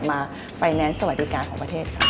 มาไฟแนนซ์สวัสดิการของประเทศ